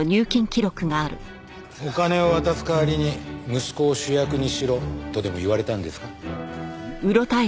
お金を渡す代わりに息子を主役にしろとでも言われたんですか？